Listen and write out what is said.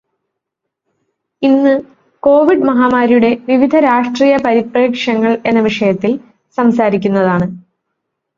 ഇന്ന് കോവിഡ് മഹാമാരിയുടെ വിവിധ രാഷ്ട്രീയപരിപ്രേക്ഷ്യങ്ങൾ എന്ന വിഷയത്തിൽ സംസാരിക്കുന്നതാണ്.